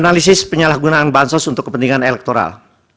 analisis penyalahgunaan bansos untuk kepentingan elektoral